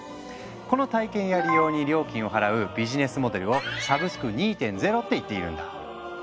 この体験や利用に料金を払うビジネスモデルを「サブスク２．０」って言っているんだ。